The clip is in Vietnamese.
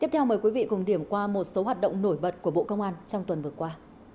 tiếp theo mời quý vị cùng điểm qua một số hoạt động nổi bật của bộ công an trong tuần vừa qua